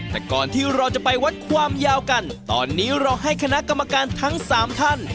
แต่ก่อนที่เราจะไปวัดความยาวกันตอนนี้เราให้คณะกรรมการทั้งสามท่าน